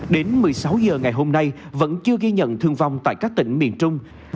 đến một mươi sáu h ngày hôm nay vẫn chưa ghi nhận thương vong tại các tỉnh miền trung